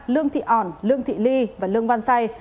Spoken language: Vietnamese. lương thị ỏn lương thị ly và lương văn say